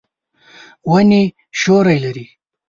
ونې سیوری لري.